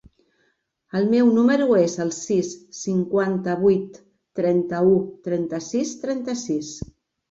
El meu número es el sis, cinquanta-vuit, trenta-u, trenta-sis, trenta-sis.